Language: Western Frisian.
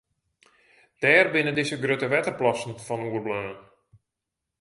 Dêr binne dizze grutte wetterplassen fan oerbleaun.